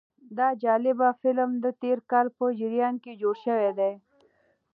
دا جالب فلم د تېر کال په جریان کې جوړ شوی دی.